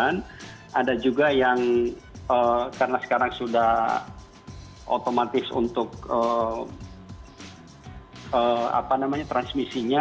dan ada juga yang karena sekarang sudah otomatis untuk transmisinya